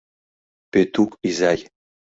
Пӧтук изай!